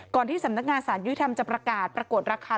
ก่อนที่สำนักงานศาลยุทธิธรมจะประกาศประกวดราคา